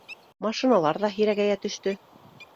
Машиналар ҙа һирәгәйә төштө.